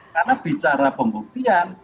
karena bicara pembuktian